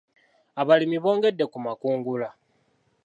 Abalimi bongedde ku makungula.